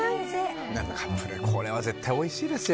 これは絶対おいしいですよ。